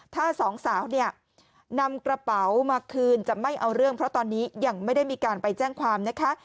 ถ้าสองสาวเนี่ยนำกระเป๋ามาคืนจะไม่เอาเรื่องเพราะตอนนี้ยังไม่ได้มีการไปแจ้งความนะคะ